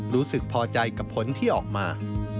รู้สึกพอใจกับผลที่ออกมา